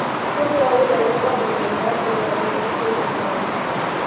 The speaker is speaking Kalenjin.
amwoun eng' iman kole ma akubo robinik ichekei choe